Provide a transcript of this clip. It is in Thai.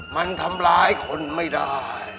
มันทำร้ายคนไม่ได้